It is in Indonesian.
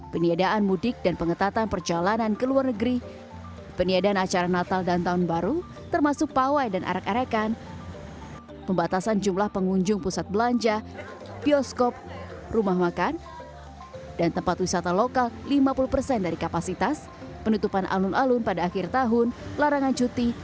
pemerintah menetapkan ppkm level tiga pada masa libur natal dan tahun baru dua ribu dua puluh dua